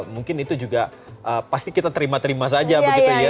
mungkin itu juga pasti kita terima terima saja begitu ya